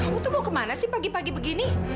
kamu tuh mau kemana sih pagi pagi begini